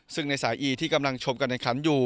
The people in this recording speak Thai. ซึ่งในสายอีที่กำลังชมการแข่งขันอยู่